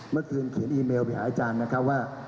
เมื่อคืนเขียนอีเมลไปหาอาจารย์นะครับว่า